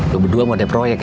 lo berdua mau ada proyek ya